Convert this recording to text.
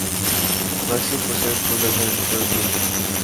Maxine posee el poder para manipular el viento.